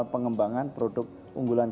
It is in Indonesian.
pengembangan produk unggulan